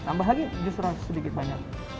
tambah lagi justru sedikit banyak